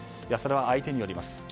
それは相手によります。